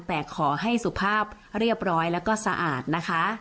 แต่ขอให้สุภาพเรียบร้อยแล้วก็สะอาดนะคะ